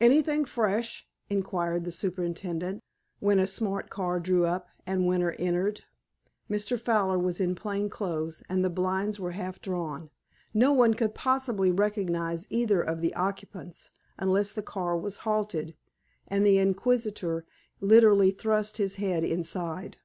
"Anything fresh?" inquired the superintendent, when a smart car drew up, and Winter entered. Mr. Fowler was in plain clothes, and the blinds were half drawn. No one could possibly recognize either of the occupants unless the car was halted, and the inquisitor literally thrust his head inside.